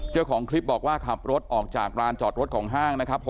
เจ้าของคลิปบอกว่าขับรถออกจากร้านจอดรถของห้างนะครับ